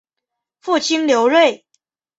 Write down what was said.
父亲刘锐。